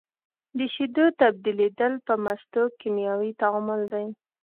د شیدو تبدیلیدل په مستو کیمیاوي تعامل دی.